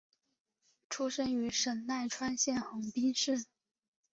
出身于神奈川县横滨市。